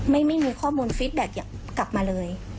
ไม่มีข้อมูลฟิตแบ็คอยากกลับมาเลย